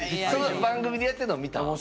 その番組でやってるの見た？